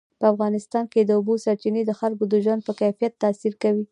په افغانستان کې د اوبو سرچینې د خلکو د ژوند په کیفیت تاثیر کوي.